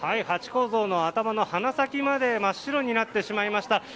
ハチ公像の頭の鼻先まで真っ白になってしまいました。